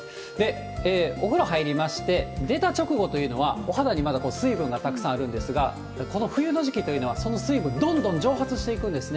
お風呂入りまして、出た直後というのは、お肌にまだ水分がたくさんあるんですが、この冬の時期というのはその水分、どんどん蒸発していくんですね。